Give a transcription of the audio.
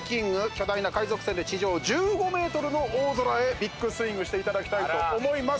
巨大な海賊船で地上１５メートルの大空へビッグスウィングしていただきたいと思いますが。